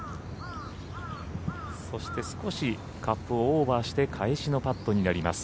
そして少しカップをオーバーして返しのパットになります。